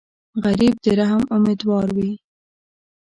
غریب د رحم امیدوار وي